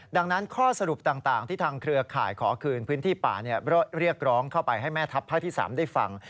ดังนั้นข้อสรุปต่างที่ทางเครือข่ายขอคืนพื้นที่ป่าเรียกร้องเข้าไปให้แม่ทัพภาคที่๓ได้ฟัง